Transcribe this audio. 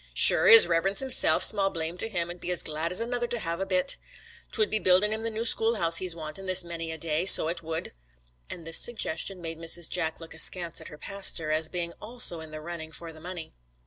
'Sure his Riverince himself, small blame to him, 'ud be as glad as another to have the bit. 'Twould be buildin' him the new schoolhouse he's wantin' this many a day, so it would.' And this suggestion made Mrs. Jack look askance at her pastor, as being also in the running for the money.